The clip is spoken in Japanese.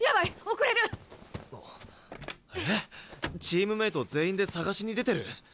チームメート全員で捜しに出てる？